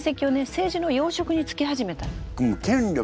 政治の要職につけ始めたのよ。